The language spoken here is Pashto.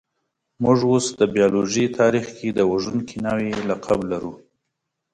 موږ اوس د بایولوژۍ تاریخ کې د وژونکي نوعې لقب لرو.